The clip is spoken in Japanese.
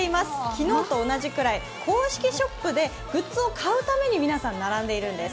昨日と同じくらい。公式ショップでグッズを買うために皆さん並んでいるんです。